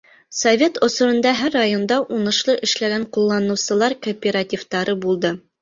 Совет осоронда һәр районда уңышлы эшләгән ҡулланыусылар кооперативтары булды.